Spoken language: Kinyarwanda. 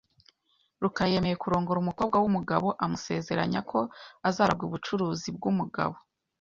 rukara yemeye kurongora umukobwa wumugabo amusezeranya ko azaragwa ubucuruzi bwumugabo .